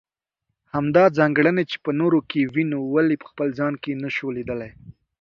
همدا ځانګړنې چې په نورو کې وينو ولې په خپل ځان کې نشو ليدلی.